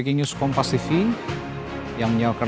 dan saya pikir anda akan menemukan